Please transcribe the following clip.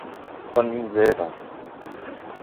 Von ihm selber.